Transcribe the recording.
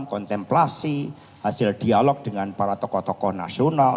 kontemplasi hasil dialog dengan para tokoh tokoh nasional